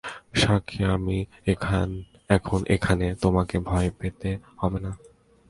সাক্ষী, আমি এখন এখানে, তোমাকে ভয় পেতে হবে না।